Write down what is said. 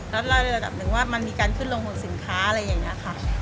แล้วเราในระดับหนึ่งว่ามันมีการขึ้นลงของสินค้าอะไรอย่างนี้ค่ะ